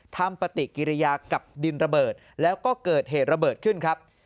ทำปฏิกิริยากับดินระเบิดแล้วก็เกิดเหตุระเบิดขึ้นครับ